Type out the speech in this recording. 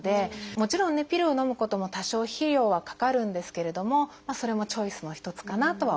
もちろんねピルをのむことも多少費用はかかるんですけれどもそれもチョイスの一つかなとは思います。